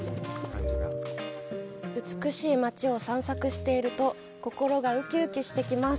美しい街を散策していると、心がうきうきしてきます。